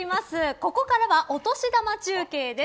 ここからはお年玉中継です。